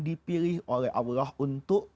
dipilih oleh allah untuk